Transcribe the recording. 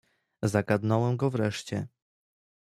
"„zagadnąłem go wreszcie."